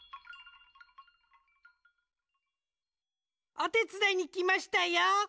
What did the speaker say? おてつだいにきましたよ。